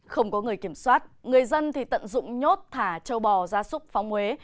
không có người kiểm soát người dân thì tận dụng nhốt thả châu bò ra súc phóng huế